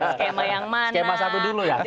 skema yang skema satu dulu ya